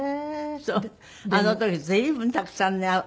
あの時随分たくさんね